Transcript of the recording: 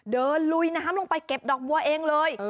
เดินลุยนะครับลงไปเก็บดอกบัวเองเลย